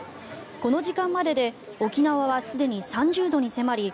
この時間までで沖縄はすでに３０度に迫り